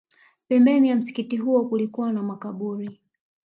Pembeni ya msikiti huo kulikuwa na makaburi